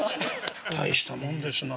大したもんですなあ。